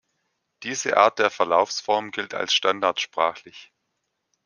Diese Art der Verlaufsform gilt als standardsprachlich.